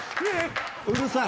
うるさい。